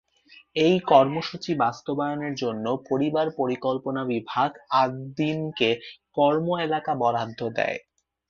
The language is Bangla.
এই কর্মসূচি বাস্তবায়নের জন্য পরিবার পরিকল্পনা বিভাগ আদ্-দ্বীনকে কর্মএলাকা বরাদ্দ দেয়।